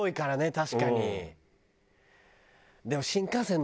確かに。